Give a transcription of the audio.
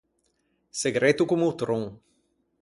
Segretto comme o tron.